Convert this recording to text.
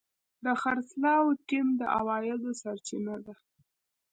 د خرڅلاو ټیم د عوایدو سرچینه ده.